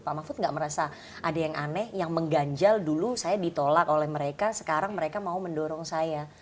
pak mahfud nggak merasa ada yang aneh yang mengganjal dulu saya ditolak oleh mereka sekarang mereka mau mendorong saya